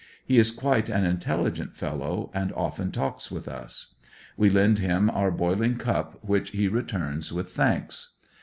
He is quite an intelli gent fellow and often talks with us. We lend him our boiling cup which he returns with thanks.